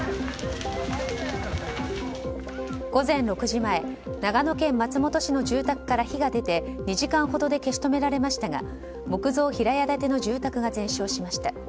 午前６時前長野県松本市の住宅から火が出て２時間ほどで消し止められましたが木造平屋建ての住宅が全焼しました。